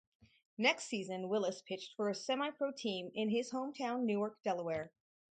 Next season Willis pitched for a semipro team in his hometown Newark, Delaware.